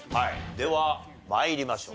では参りましょう。